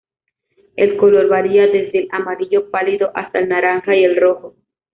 El color varía desde el amarillo pálido hasta el naranja y el rojo.